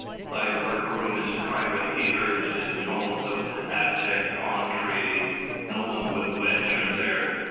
"Thy workroom is private," he urged in tones of abject entreaty; "no one would venture there